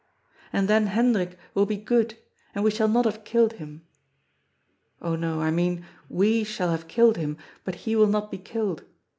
And then Hendrik will be good, and we shall not have killed him. Oh no, I mean we shall have killed him, but he will not be killed.